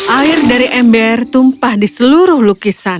air dari ember tumpah di seluruh lukisan